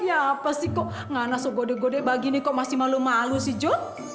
ya apa sih kok gak nasu gode gode begini kok masih malu malu sih jo